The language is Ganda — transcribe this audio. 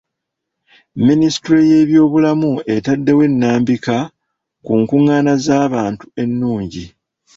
Minisitule y'ebyobulamu etaddewo ennambika ku nkungaana z'abantu ennungi.